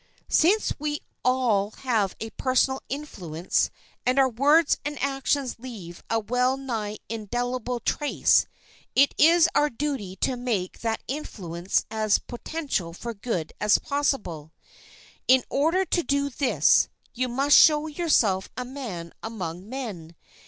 Since we all have a personal influence, and our words and actions leave a well nigh indelible trace, it is our duty to make that influence as potential for good as possible. In order to do this you must show yourself a man among men.